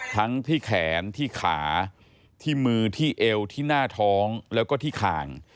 ทั้งที่แขนที่ขาที่มือที่เอวที่หน้าท้องแล้วก็ที่คาง